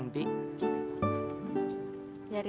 tapi kita tuh pacaran pi